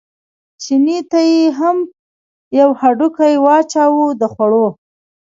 چیني ته یې هم یو هډوکی واچاوه د خوړو.